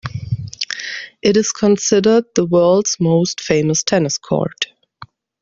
It is considered the world's most famous tennis court.